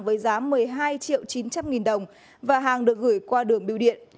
với giá một mươi hai triệu chín trăm linh nghìn đồng và hàng được gửi qua đường biêu điện